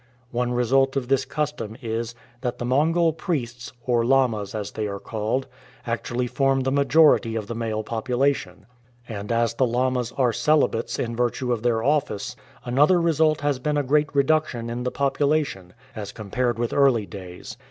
One result of this custom is, that the Mongol priests, or lamas as they are called, actually form the majority of the male population, and as the lamas are celibates in virtue of their office, another result has been a great reduction in the population, as compared with early days.